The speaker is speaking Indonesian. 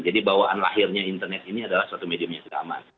jadi bawaan lahirnya internet ini adalah satu medium yang tidak aman